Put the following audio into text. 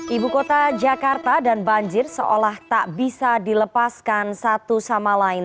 ibu kota jakarta dan banjir seolah tak bisa dilepaskan satu sama lain